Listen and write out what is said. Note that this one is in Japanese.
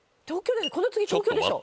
この次東京でしょ。